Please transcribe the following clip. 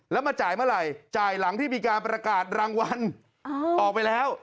แล้วมาจ่ายเมื่อไหร่จ่ายหลังที่มีการประกาศรางวัลออกไปแล้ว